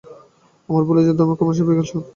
আমরা ভুলে যাই যে, ধর্মের ক্রমবিকাশ অবশ্যই থাকবে।